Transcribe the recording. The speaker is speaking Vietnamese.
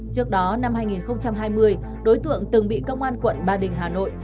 trước đó năm hai nghìn hai mươi đối tượng từng bị công an quận ba đình hà nội